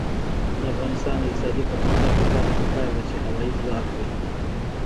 د افغانستان د اقتصادي پرمختګ لپاره پکار ده چې هوایی ځواک وي.